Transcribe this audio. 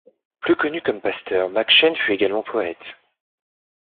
Plus connu comme pasteur, McCheyne fut également poète.